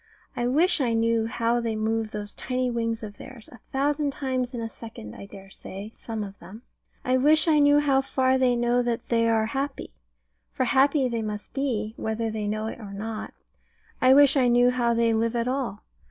I wish I knew how they move those tiny wings of theirs a thousand times in a second, I dare say, some of them. I wish I knew how far they know that they are happy for happy they must be, whether they know it or not. I wish I knew how they live at all.